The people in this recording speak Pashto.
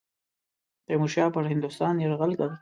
تیمورشاه پر هندوستان یرغل کوي.